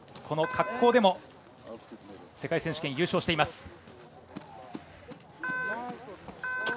この滑降でも世界選手権優勝しています。